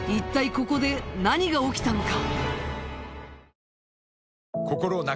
ここで何が起きたのか？